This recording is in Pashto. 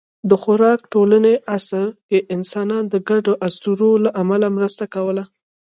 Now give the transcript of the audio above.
د خوراک لټوني عصر کې انسانان د ګډو اسطورو له امله مرسته کوله.